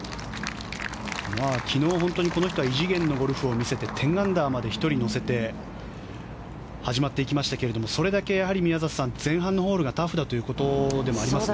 昨日本当にこの人は異次元のゴルフを見せて１０アンダーまで１人乗せて始まっていきましたけれどもそれだけ宮里さん前半のホールがタフだということでもありますね。